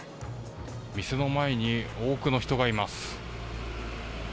店の前に多くの人がいます。